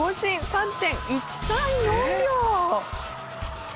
３．１３４秒。